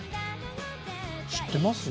知ってますね。